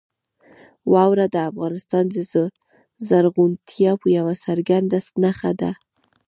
واوره د افغانستان د زرغونتیا یوه څرګنده نښه ده.